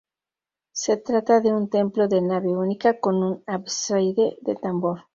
Se trata de un templo de nave única, con un ábside de tambor.